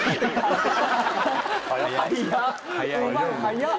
早っ